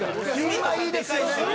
今いいですよね。